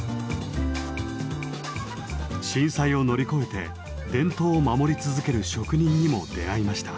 震災を乗り越えて伝統を守り続ける職人にも出会いました。